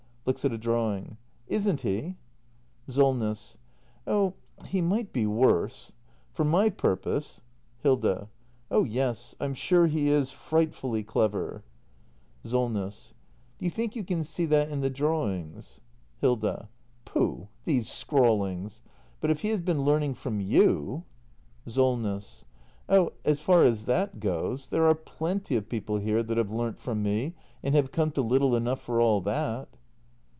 [Looks at a drawing.] Isn't he ? Solness. Oh, he might be worse. For m y purpose Hilda. Oh yes — I'm sure he is frightfully clever. 338 THE MASTER BUILDER [act ii SOLNESS. Do you think you can see that in the drawings ? Hilda. Pooh — these scrawlings! But if he has been learning from y o u SOLNESS. ■ Oh, so far as that goes there are plenty of people here that have learnt from m e , and have come to little enough for all that.